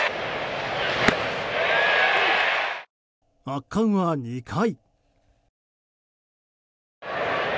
圧巻は２回。